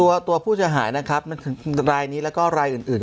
ตัวตัวผู้จะหายนะครับมันถึงรายนี้แล้วก็รายอื่นอื่น